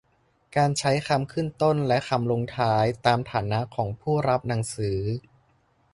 การใช้คำขึ้นต้นและคำลงท้ายตามฐานะของผู้รับหนังสือ